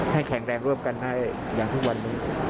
แข็งแรงร่วมกันให้อย่างทุกวันนี้